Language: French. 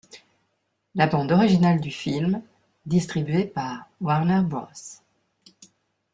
La bande originale du film, distribué par Warner Bros.